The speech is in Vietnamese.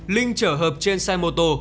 linh trở hợp trên xe mô tô